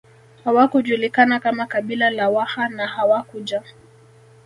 Hawakujulikana kama kabila la Waha na hawakuja